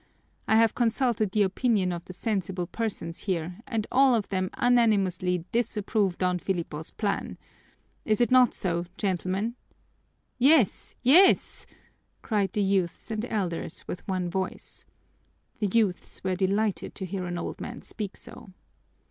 I have consulted the opinion of the sensible persons here and all of them unanimously disapprove Don Filipo's plan. Is it not so, gentlemen?" "Yes, yes!" cried the youths and elders with one voice. The youths were delighted to hear an old man speak so.